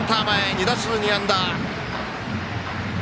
２打数２安打。